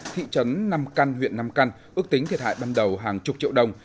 thị trấn nam căn huyện nam căn ước tính thiệt hại ban đầu hàng chục triệu đồng